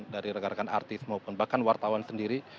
dari rekan rekan artis maupun bahkan wartawan sendiri